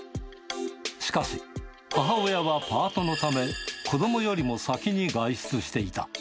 しかし、母親はパートのため、子どもよりも先に外出していた。